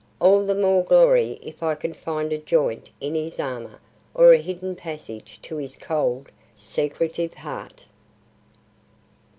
"All the more glory if I can find a joint in his armour or a hidden passage to his cold, secretive heart."